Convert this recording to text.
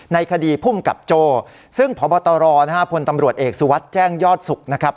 ในคดีภูมิกับโจ้ซึ่งพบตรนะฮะพลตำรวจเอกสุวัสดิ์แจ้งยอดสุขนะครับ